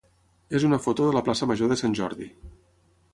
és una foto de la plaça major de Sant Jordi.